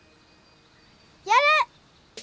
やる！